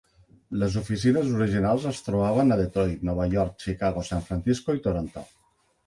Les oficines originals es trobaven a Detroit, Nova York, Chicago, San Francisco i Toronto.